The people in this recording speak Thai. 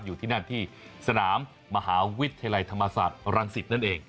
อยู่ที่นั่นที่สนามมหาวิทยาลัยธรรมศาสตร์รังสิตนั่นเอง